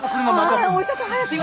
お医者さん早く。